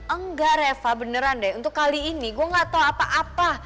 enggak reva beneran deh untuk kali ini gue gak tau apa apa